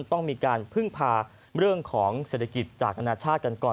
ต้องมีการพึ่งพาเรื่องของเศรษฐกิจจากอนาชาติกันก่อน